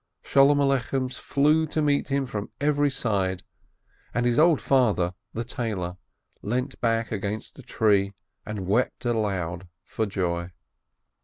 Sholom Alechems flew to meet him from every side, and his old father, the tailor, leant back against a tree, and wept aloud for joy.